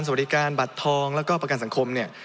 สวัสดีการบัตรทองแล้วก็ประกันสังคมเนี่ย